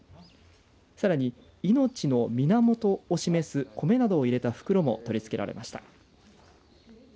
さらに命の源を示す米などを入れた袋も取り付けられました。